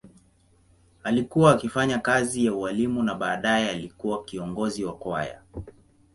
Alikuwa akifanya kazi ya ualimu na baadaye alikuwa kiongozi wa kwaya.